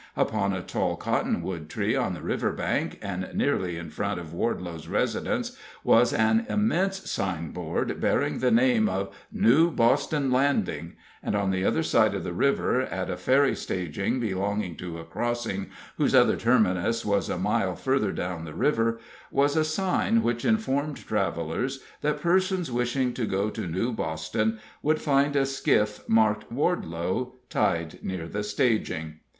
Upon a tall cottonwood tree on the river bank, and nearly in front of Wardelow's residence, was an immense signboard bearing the name of "New Boston Landing," and on the other side of the river, at a ferry staging belonging to a crossing whose other terminus was a mile further down the river, was a sign which informed travelers that persons wishing to go to New Boston would find a skiff marked "Wardelow" tied near the staging.